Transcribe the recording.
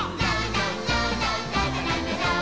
「ラララララララララー」